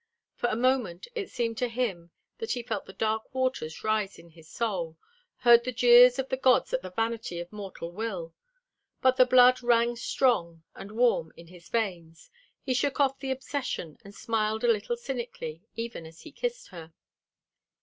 For a moment it seemed to him that he felt the dark waters rise in his soul, heard the jeers of the gods at the vanity of mortal will. But the blood ran strong and warm in his veins. He shook off the obsession, and smiled a little cynically, even as he kissed her.